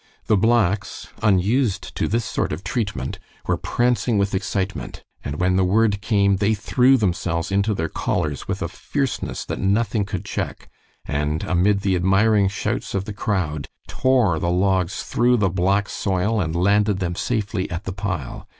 The blacks, unused to this sort of treatment, were prancing with excitement, and when the word came they threw themselves into their collars with a fierceness that nothing could check, and amid the admiring shouts of the crowd, tore the logs through the black soil and landed them safely at the pile.